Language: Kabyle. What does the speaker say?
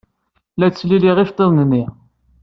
La ttesliliɣ iceḍḍiḍen-nni.